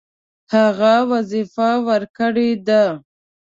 هغه وظیفه ورکړې ده.